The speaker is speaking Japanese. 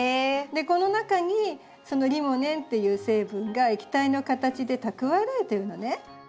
この中にリモネンっていう成分が液体の形で蓄えられてるのね。